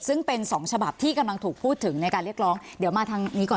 ซึ่งเป็นสองฉบับที่กำลังถูกพูดถึงในการเรียกร้องเดี๋ยวมาทางนี้ก่อน